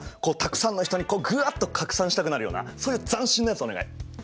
こうたくさんの人にグワッと拡散したくなるようなそういう斬新なやつお願い！